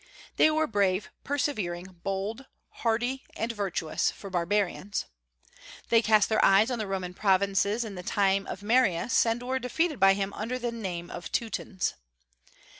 They were brave, persevering, bold, hardy, and virtuous, for barbarians. They cast their eyes on the Roman provinces in the time of Marius, and were defeated by him under the name of Teutons.